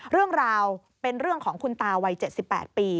เรื่องราวเป็นเรื่องของคุณตาวัย๗๘ปี